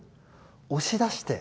押し出して。